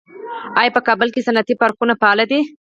آیا په کابل کې صنعتي پارکونه فعال دي؟